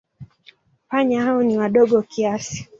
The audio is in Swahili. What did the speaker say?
Panya hao ni wadogo kiasi.